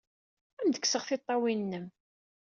Ad am-d-kksen tiṭṭawin-nnem!